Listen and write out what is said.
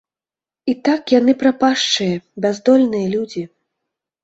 І так яны прапашчыя, бяздольныя людзі.